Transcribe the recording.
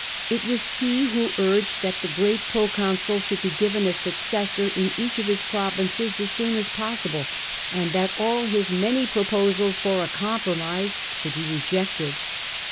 It was he who urged that the great pro consul should be given a successor in each of his provinces as soon as possible, and that all his many proposals for a compromise should be rejected.